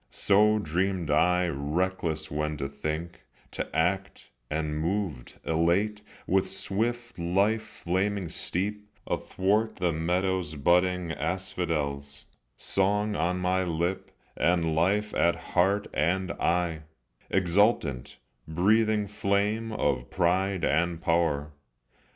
So dreamed I reckless when to think, to act, And moved, elate, with swift life flaming step Athwart the meadow's budding asphodels, Song on my lip, and life at heart and eye, Exultant, breathing flame of pride and power.